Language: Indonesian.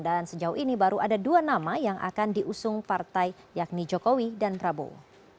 dan sejauh ini baru ada dua nama yang akan diusung partai yakni jokowi dan prabowo